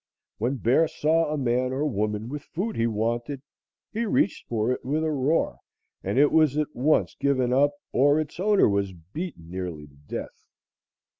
When Bear saw a man or woman with food he wanted, he reached for it with a roar, and it was at once given up or its owner was beaten nearly to death.